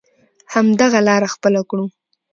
همدغه لاره خپله کړو.